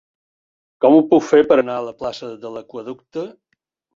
Com ho puc fer per anar a la plaça de l'Aqüeducte?